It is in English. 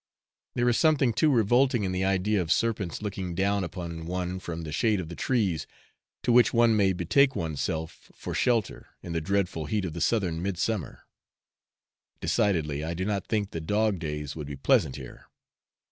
There is something too revolting in the idea of serpents looking down upon one from the shade of the trees to which one may betake oneself for shelter in the dreadful heat of the southern midsummer; decidedly I do not think the dog days would be pleasant here.